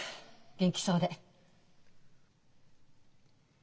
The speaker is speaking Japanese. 元気そうで。